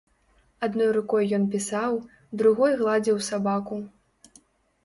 Адной рукой ён пісаў, другой гладзіў сабаку.